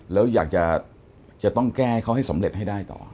แล้วอยากจะแก้ให้เขาให้สำเร็จให้ได้ต่อ